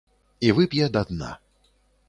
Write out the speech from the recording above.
І вып'е да дна.